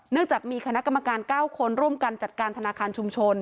จากมีคณะกรรมการ๙คนร่วมกันจัดการธนาคารชุมชน